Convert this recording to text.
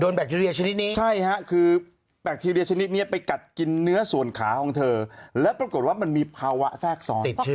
แบคทีเรียชนิดนี้ใช่ฮะคือแบคทีเรียชนิดนี้ไปกัดกินเนื้อส่วนขาของเธอแล้วปรากฏว่ามันมีภาวะแทรกซ้อน